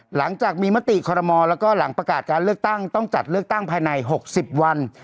หลังจากมีมติคอรมอลแล้วก็หลังประกาศการเลือกตั้งต้องจัดเลือกตั้งภายใน๖๐วัน